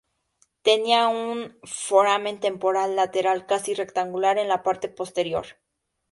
Tenía un foramen temporal lateral casi rectangular en la parte posterior.